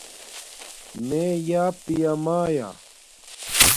میے یآ پیامایا